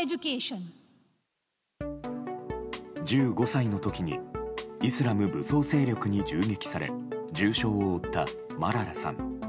１５歳の時にイスラム武装勢力に銃撃され重傷を負ったマララさん。